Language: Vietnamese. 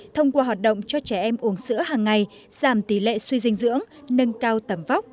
thông qua hoạt động cho trẻ em uống sữa hằng ngày giảm tỷ lệ suy dinh dưỡng nâng cao tầm vóc